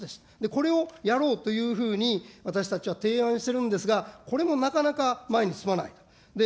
これをやろうというふうに私たちは提案してるんですが、これもなかなか前に進まない。